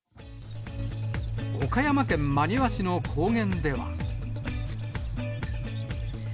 岡山県真庭市の高原では。